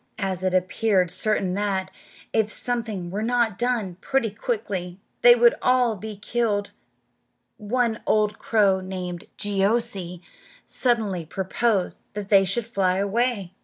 As it appeared certain that, if something were not done pretty quickly, they would all be killed, one old crow, named Jeeoo'see, suddenly proposed that they should fly away.